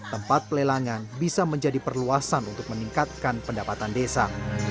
tempat pelelangan bisa menjadi perluasan untuk meningkatkan pendapatan desa